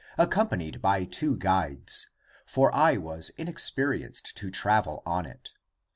Accompanied by two guides, For I was unexperienced, to travel on it.